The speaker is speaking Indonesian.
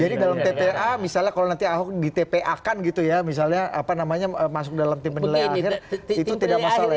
jadi dalam tpa misalnya kalau nanti ahok di tpa kan gitu ya misalnya apa namanya masuk dalam tim penilai akhir itu tidak masalah ya pak